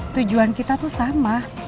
tujuan kita tuh sama